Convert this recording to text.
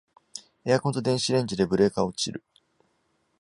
エアコンと電子レンジでブレーカー落ちる